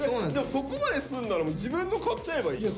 そこまですんなら自分の買っちゃえばいいじゃん。